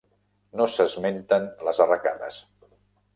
No s'esmenten les arracades.